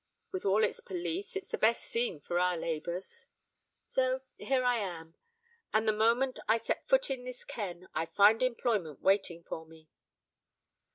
With all its police, it's the best scene for our labours. So here I am; and the moment I set foot in this ken, I find employment waiting for me."